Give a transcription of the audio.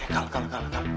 kalah kalah kalah